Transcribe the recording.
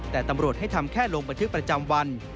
แต่ตำรวจให้ทำแค่ลงบันทึกประจำวัน